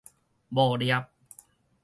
無攝